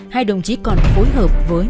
hai đồng chí còn phối hợp với